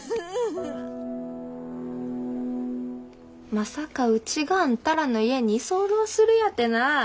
まさかうちがあんたらの家に居候するやてな。